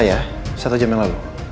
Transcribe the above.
kasih tau papa